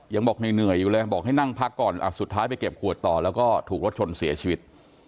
ยังบอกเหนื่อยอยู่เลยบอกให้นั่งพักก่อนสุดท้ายไปเก็บขวดต่อแล้วก็ถูกรถชนเสียชีวิต